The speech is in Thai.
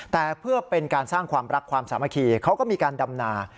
แต่เพื่อเป็นการสร้างความรักความสามัคคีเขาก็มีการดำนา